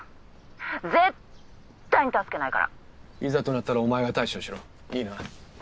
絶対に助けないからいざとなったらお前が対処しろいいな